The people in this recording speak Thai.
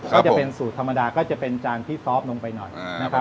ก็จะเป็นสูตรธรรมดาก็จะเป็นจานที่ซอฟต์ลงไปหน่อยนะครับ